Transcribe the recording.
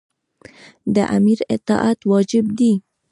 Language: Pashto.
د امیر اطاعت واجب دی.